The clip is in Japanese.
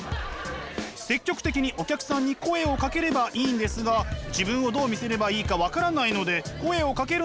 積極的にお客さんに声をかければいいんですが自分をどう見せればいいか分からないので声をかけるのも気が引けるんだとか。